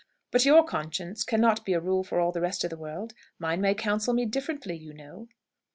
But your conscience cannot be a rule for all the rest of the world. Mine may counsel me differently, you know."